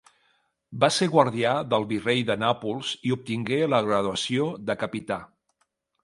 Va ser guardià del virrei de Nàpols i obtingué la graduació de capità.